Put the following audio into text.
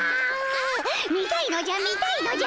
見たいのじゃ見たいのじゃ！